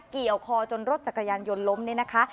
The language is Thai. กี่เอาคอจนรถจะกระยันยนต์ล้มนะนะคะ